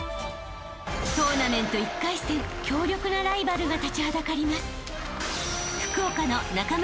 ［トーナメント１回戦強力なライバルが立ちはだかります］